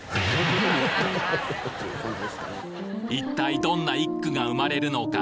一体どんな一句が生まれるのか？